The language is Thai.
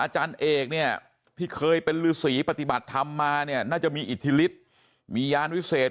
อาจารย์เอกเนี่ยที่เคยเป็นฤษีปฏิบัติธรรมมาเนี่ยน่าจะมีอิทธิฤทธิ์มียานวิเศษ